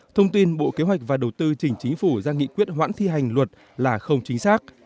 thông tin bộ kế hoạch và đầu tư chỉnh chính phủ ra nghị quyết hoãn thi hành luật là không chính xác